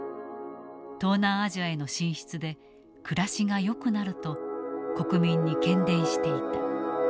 東南アジアへの進出で暮らしがよくなると国民に喧伝していた。